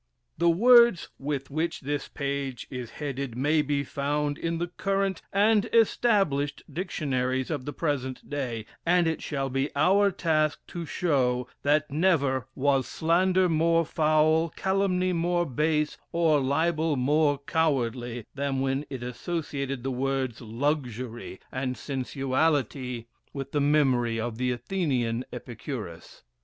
The words with which this page is headed may be found in the current and established dictionaries of the present day; and it shall be our task to show that never was slander more foul, calumny more base, or libel more cowardly, than when it associated the words luxury and sensuality with the memory of the Athenian Epicurus.